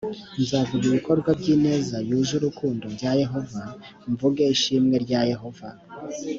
nzavuga ibikorwa by ineza yuje urukundo bya yehova mvuge ishimwe rya yehova